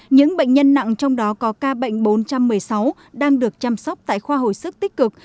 những bệnh nhân nặng trong đó có ca bệnh bốn trăm một mươi sáu đang được chăm sóc tại khoa hồi sức tích cực